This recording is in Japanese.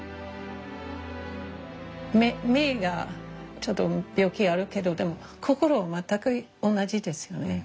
目がちょっと病気あるけどでも心は全く同じですよね。